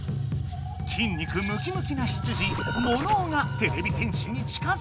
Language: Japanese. きん肉ムキムキなしつじモノオがてれび戦士に近づく。